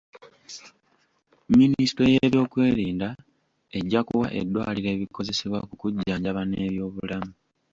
Minisitule y'ebyokwerinda ejja kuwa eddwaliro ebikozesebwa mu kujjanjaba n'ebyobulamu.